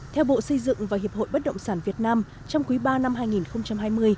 theo bộ xây dựng và hiệp hội bất động sản việt nam trong quý ba năm hai nghìn hai mươi